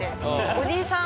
おじいさん